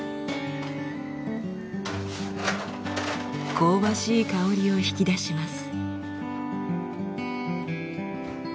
香ばしい香りを引き出します。